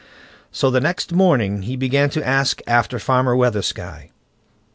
So next morning he began to ask after Farmer Weathersky.